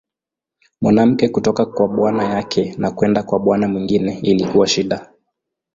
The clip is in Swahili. Mwanamke kutoka kwa bwana yake na kwenda kwa bwana mwingine ilikuwa shida.